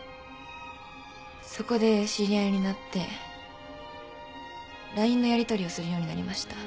そこで知り合いになってＬＩＮＥのやりとりをするようになりました。